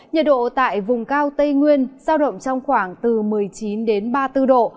nhiệt độ tại vùng cao tây nguyên sao động trong khoảng từ một mươi chín ba mươi bốn độ